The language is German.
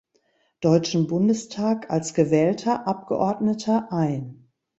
Deutschen Bundestag als gewählter Abgeordneter ein.